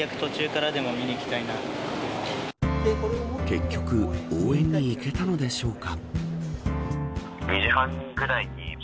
結局応援に行けたのでしょうか。